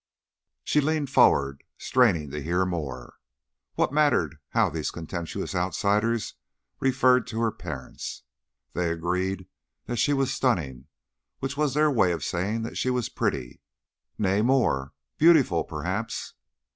She leaned forward, straining to hear more. What mattered it how these contemptuous outsiders referred to her parents? They agreed that she was "stunning," which was their way of saying that she was pretty, nay, more beautiful, perhaps.